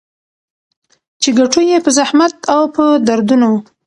چي ګټو يې په زحمت او په دردونو